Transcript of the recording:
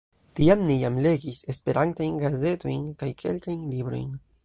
Tiam ni jam legis Esperantajn gazetojn kaj kelkajn librojn.